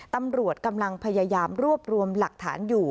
ตำรวจกำลังพยายามรวบรวมหลักฐานอยู่